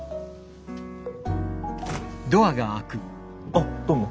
あっどうも。